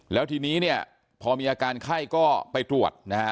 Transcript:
แล้วทีนี้เนี่ยพอมีอาการไข้ก็ไปตรวจนะฮะ